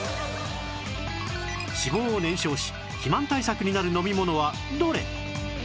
脂肪を燃焼し肥満対策になる飲み物はどれ？